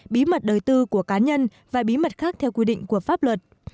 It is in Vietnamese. bí mật đời tư của cá nhân và bí mật khác theo quy định của pháp luật